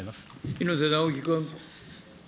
猪瀬直樹君。